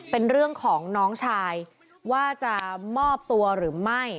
เป็นเรื่องของน้องชายว่าจะมอบตัวหรือไม่